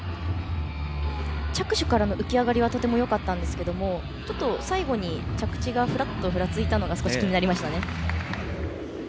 着手からの浮き上がりはとてもよかったんですけれども最後に着地がふらついたのが少し気になりましたね。